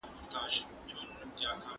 ده د واک د دايمي کېدو فکر نه درلود.